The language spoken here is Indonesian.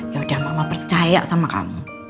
yaudah mama percaya sama kamu